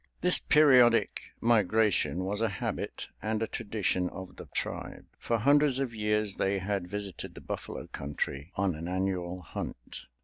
This periodic migration was a habit and a tradition of the tribe. For hundreds of years they had visited the buffalo country on an annual hunt.